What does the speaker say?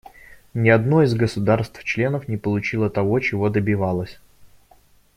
Ни одно из государств-членов не получило того, чего добивалось.